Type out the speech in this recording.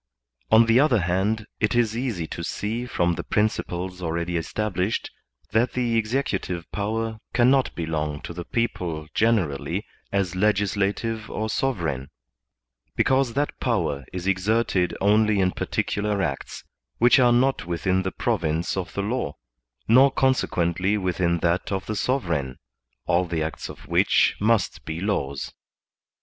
On the other hand, it is easy to see from the principles already established, that the executive power cannot belong to the people generally as legislative or sovereign, because that power is exerted only in particular acts, which are not within the province of the law, nor consequently within that of the sovereign, all the acts of which must be laws.